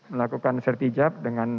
melakukan sertijab dengan